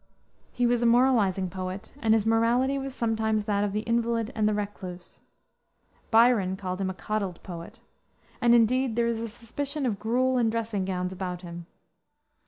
He was a moralizing poet, and his morality was sometimes that of the invalid and the recluse. Byron called him a "coddled poet." And, indeed, there is a suspicion of gruel and dressing gowns about him.